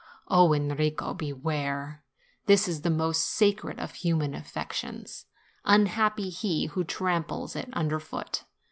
Oh, Enrico, beware! this is the most sacred of human affections ; unhappy he who tramples it under foot.